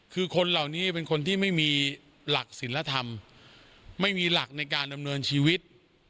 คือคนเหล่านี้เป็นคนที่ไม่มีหลักศิลธรรมไม่มีหลักในการดำเนินชีวิต